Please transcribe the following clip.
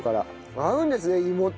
合うんですね芋と。